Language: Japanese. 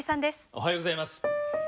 おはようございます。